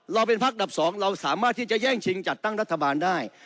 เป็นพักดับ๒เราสามารถที่จะแย่งชิงจัดตั้งรัฐบาลได้